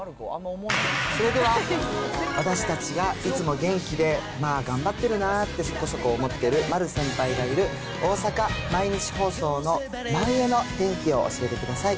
それでは私たちがいつも元気でまあ頑張ってるなーってそこそこ思ってる丸先輩がいる、大阪・毎日放送の真上の天気を教えてください。